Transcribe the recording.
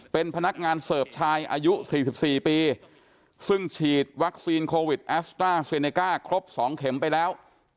เป็นพนักงานเสิร์ฟชายอายุ๔๔ปีซึ่งฉีดวัคซีนโควิดแอสตราเซเนก้าครบ๒เข็มไปแล้ว